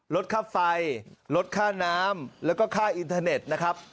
ลดค่าไฟลดค่าน้ำแล้วก็ค่าอินเทอร์เน็ตนะครับ